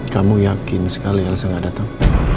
kamu yakin sekali lsm gak datang